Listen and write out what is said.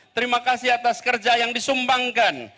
terima kasih atas kerja yang disumbangkan